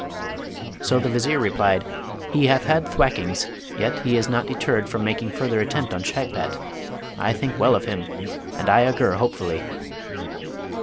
So the Vizier replied, 'He hath had thwackings, yet is he not deterred from making further attempt on Shagpat. I think well of him, and I augur hopefully.